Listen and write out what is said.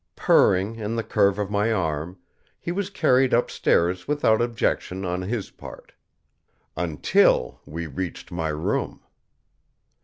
Purring in the curve of my arm, he was carried upstairs without objection on his part. Until we reached my room!